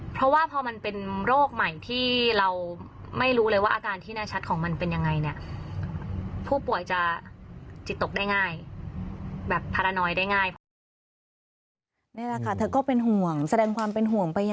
เพราะว่าพอมันเป็นโรคใหม่ที่เราไม่รู้เลยว่าอาการที่แน่ชัดของมันเป็นยังไงเนี่ย